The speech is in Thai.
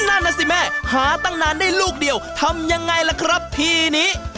นั่นน่ะสิแม่หาตั้งนานได้ลูกเดียวทำยังไงล่ะครับทีนี้